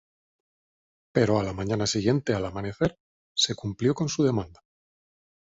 Pero a la mañana siguiente, al amanecer, se cumplió con su demanda.